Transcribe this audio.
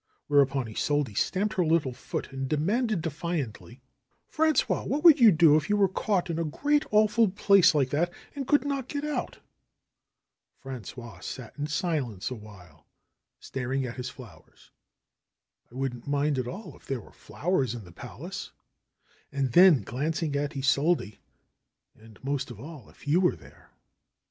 Whereupon Isolde stamped her little foot and demanded defiantly: ^'Frangois, what would you do if you were caught in a great, awful palace like that and could not get out ?" Frangois sat in silence awhile, staring at his flowers. 'T wouldn't mind at all if there were flowers in the pal ace," and then glancing at Isolde, ^^and, most of all, if you were there."